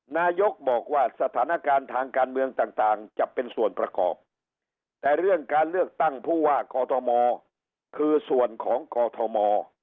นายกบอกว่าสถานการณ์ทางการเมืองต่างจะเป็นส่วนประกอบแต่เรื่องการเลือกตั้งผู้ว่ากอทมคือส่วนของกอทม